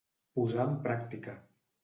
Posar en pràctica.